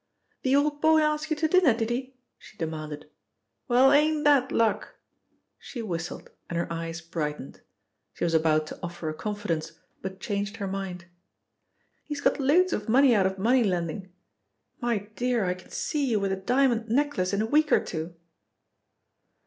"The old boy asked you to dinner, did he?" she demanded. "Well, ain't that luck!" She whistled and her eyes brightened. She was about to offer a confidence, but changed her mind. "He's got loads of money out of money lending. My dear, I can see you with a diamond necklace in a week or two!"